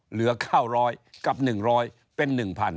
เหลือ๙๐๐กับ๑๐๐เป็น๑๐๐